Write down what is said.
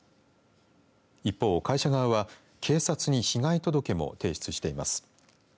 一方、会社側は警察に被害届も提出しています。